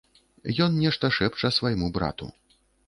Ён нешта шэпча свайму брату.